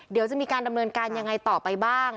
เดี๋ยวจะมีการดำเนินการยังไงต่อไปบ้าง